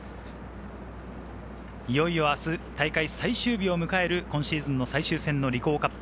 いよいよ明日、大会最終日を迎える今シーズンの最終戦、リコーカップ。